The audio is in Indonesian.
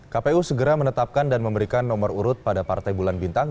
kpu segera menetapkan dan memberikan nomor urut pada partai bulan bintang